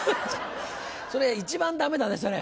それ一番ダメだねそれ。